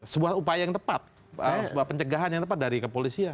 sebuah upaya yang tepat sebuah pencegahan yang tepat dari kepolisian